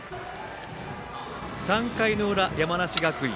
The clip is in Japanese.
３回の裏、山梨学院。